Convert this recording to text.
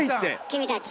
君たち。